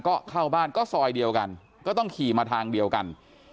ก็เข้าบ้านก็ซอยเดียวกันก็ต้องขี่มาทางเดียวกัน